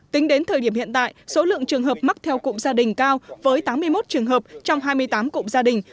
tính đến thời điểm hiện tại số lượng trường hợp mắc theo cụm gia đình cao với tám mươi một trường hợp trong hai mươi tám cụm gia đình